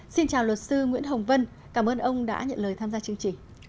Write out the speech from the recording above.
xin chào luật sư nguyễn hồng vân cảm ơn ông đã nhận lời tham gia chương trình